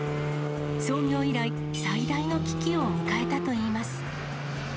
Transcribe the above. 創業以来、最大の危機を迎えたといいます。